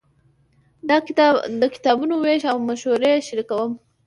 د کتابونو وېش او مشورې شریکوم.